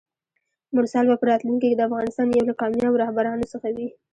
مرسل به په راتلونکي کې د افغانستان یو له کاميابو رهبرانو څخه وي!